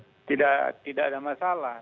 tidak ada masalah